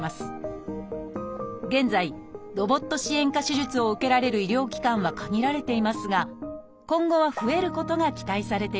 現在ロボット支援下手術を受けられる医療機関は限られていますが今後は増えることが期待されています